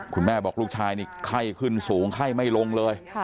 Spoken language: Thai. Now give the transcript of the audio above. คุณแม่บอกลูกชายนี่ไข้ขึ้นสูงไข้ไม่ลงเลย